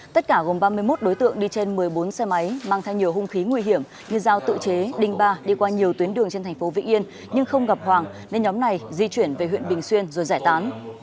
tất cả gồm ba mươi một đối tượng đi trên một mươi bốn xe máy mang theo nhiều hung khí nguy hiểm như giao tự chế đinh ba đi qua nhiều tuyến đường trên thành phố vĩnh yên nhưng không gặp hoàng nên nhóm này di chuyển về huyện bình xuyên rồi giải tán